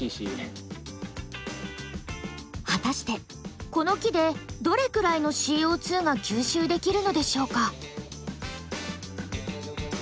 果たしてこの木でどれくらいのＣＯが吸収できるのでしょうか？